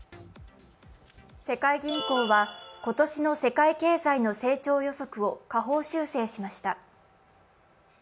世界銀行は今年の世界経済の成長予測を下方修正しました。